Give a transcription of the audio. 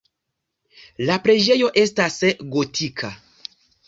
La preĝejo estas gotika.